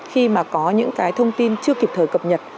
khi mà có những cái thông tin chưa kịp thời cập nhật